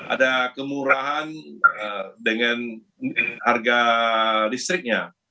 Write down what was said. ada kemurahan dengan harga listriknya